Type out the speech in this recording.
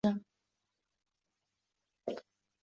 其中的暗礁经常从超过一千米的水深急速上升。